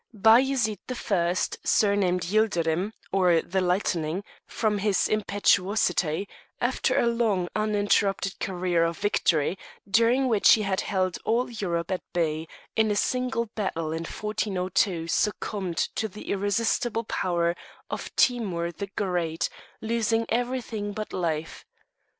A.D. 1425. Bajaret the First, surnamed Yilderim, or "The Lightning," from his impetuosity, after a long, uninterrupted career of victory, during which he had held all Europe at bay, in a single battle in 1402 succumbed to the irresistible power of Timur the Great, losing everything but life.